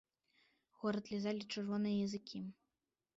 Горад лізалі чырвоныя языкі.